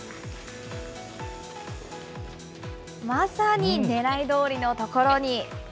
まさにねらいどおりのところに。